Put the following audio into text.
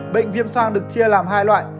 bệnh viêm soang được chia làm hai loại